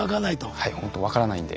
はいほんと分からないんで。